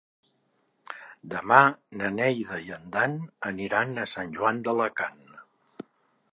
Demà na Neida i en Dan aniran a Sant Joan d'Alacant.